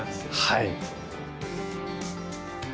はい。